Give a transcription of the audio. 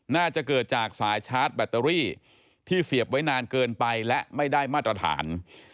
น่าจะเกิดจากสายชาร์จแบตเตอรี่ที่เสียบไว้นานเกินไปและไม่ได้มาตรฐาน